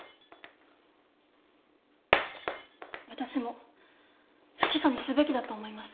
私も不起訴にすべきだと思います。